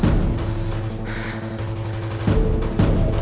kayanya gue udah kecapean banget